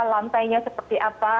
lantainya seperti apa